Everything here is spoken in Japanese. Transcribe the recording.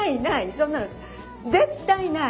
そんなの絶対ない！